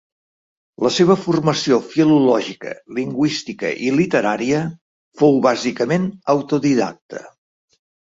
La seva formació filològica, lingüística i literària fou bàsicament autodidacta.